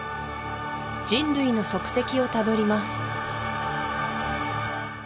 人類の足跡をたどります